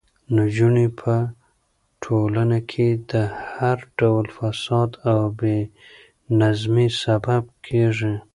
نجونې په ټولنه کې د هر ډول فساد او بې نظمۍ سبب ګرځي.